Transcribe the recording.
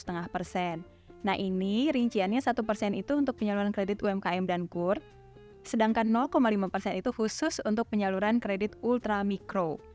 nah ini rinciannya satu persen itu untuk penyaluran kredit umkm dan kur sedangkan lima persen itu khusus untuk penyaluran kredit ultramikro